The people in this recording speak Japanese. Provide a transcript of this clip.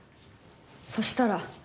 そしたら。